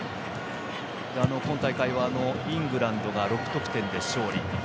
今大会はイングランドが６得点で勝利。